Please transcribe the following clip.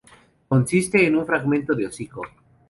Consiste en un fragmento de hocico.